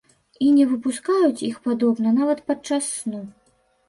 І не выпускаюць іх, падобна, нават падчас сну.